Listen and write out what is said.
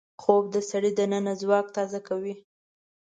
خوب د سړي دننه ځواک تازه کوي